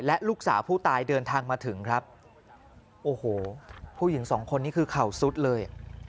และลูกสาวผู้ตายเดินทางมาถึงครับโอ้โหผู้หญิงสองคนนี้คือเข่าซุดเลย